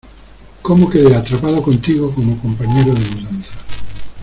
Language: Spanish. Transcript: ¿ Cómo quede atrapado contigo como compañero de mudanza?